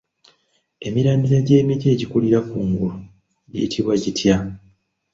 Emirandira gy'emiti egikulira kungulu giyitibwa gitya?